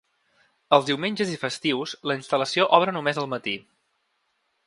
Els diumenges i festius, la instal·lació obre només al matí.